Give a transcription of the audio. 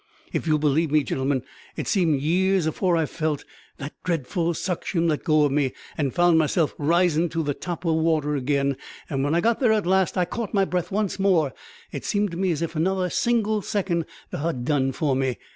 If you'll believe me, gen'lemen, it seemed years afore I felt that dreadful suction let go of me, and found myself risin' to the top of the water again; and when I got there at last and caught my breath once more, it seemed to me as if another single second 'd ha' done for me.